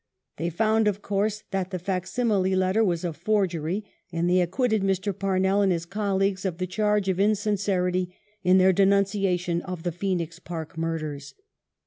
They found, of course, that the facsimile letter was a ^5 9°^" forgery, and they acquitted Mr. Parnell and his colleagues of the charge of insincerity in their denunciation of the Phoenix Park murders.